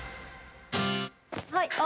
はい。